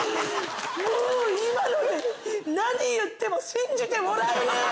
もう今ので何言っても信じてもらえねえよ！